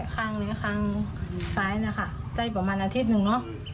ข้างซ้ายนะคะได้ประมาณอาทิตย์นึงเนาะ